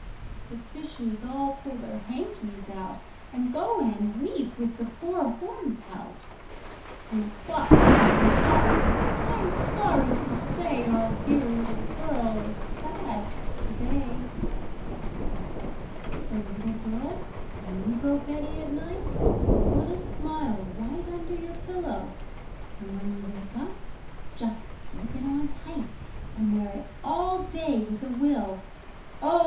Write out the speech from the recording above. The fishes all pull their hankies out, And go and weep with the poor hornpout, And the clock says, "Tock! I'm sorry to say Our dear Little Girl is sad to day!" So, Little Girl, when you go beddy at night, Put a smile right under your pillow, And when you wake up, just slip it on tight, And wear it all day with a will, oh!